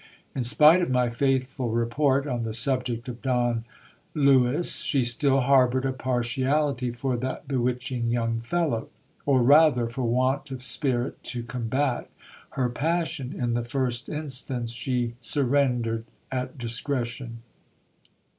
In spite of my faithful report on the subject of Don Lewis, she still • harboured a partiality for that bewitching young fellow ; or rather, for want of spirit to combat her passion in the first instance, she surren dered at discretion.